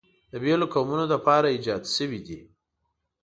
د بېلو قومونو لپاره ایجاد شوي دي.